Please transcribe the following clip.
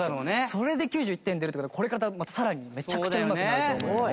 それで９１点出るって事はこれから多分またさらにめちゃくちゃうまくなると思います。